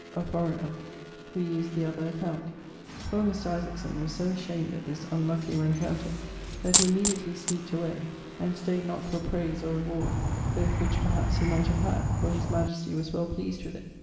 (a foreigner), who used the other account. Poor Mr. Isaacson was so ashamed at this unlucky rencounter, that he immediately sneak't away and stayd not for prayse or reward, both which perhaps he might have had, for his majestie was well pleased with it.